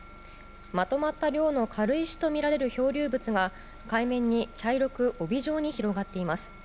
まとまった量の軽石とみられる漂流物が海面に、茶色く帯状に広がっています。